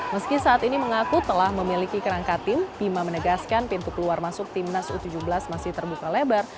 meski saat ini mengaku telah memiliki kerangka tim bima menegaskan pintu keluar masuk timnas u tujuh belas masih terbuka lebar